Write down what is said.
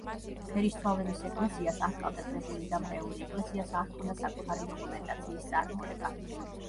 ფერისცვალების ეკლესიას არ ჰყავდა კრებული და მრევლი, ეკლესიას არ ჰქონდა საკუთარი დოკუმენტაციის წარმოება.